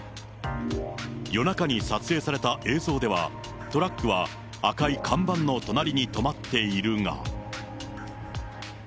夜中に撮影された映像では、トラックは赤い看板の隣に止まっているが。